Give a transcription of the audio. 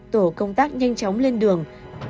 tổ công tác nhanh chóng lên đường